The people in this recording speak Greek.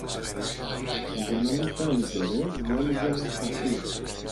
που για να μη χάνει καιρό γυάλιζε ένα σπαθί